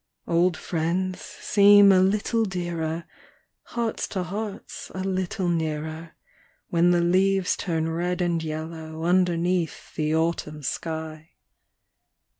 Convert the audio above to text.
d Old 'friends seem a little dearer; Hearts to Hearts a little nearer, ( ADhen the leases turn red and Ljello^ Underneath the Autumn shij.